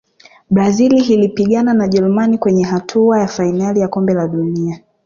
brazil ilipigana na jerumani kwenye hatua ya fainali ya kombe la dunia